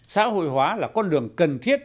xã hội hóa là con đường cần thiết